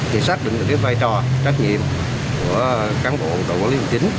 để xác định được vai trò trách nhiệm của cán bộ cầu quản lý hành chính